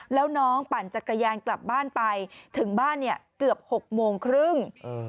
แล้วน้องปั่นจักรยานกลับบ้านไปถึงบ้านเนี่ยเกือบ๖โมงครึ่ง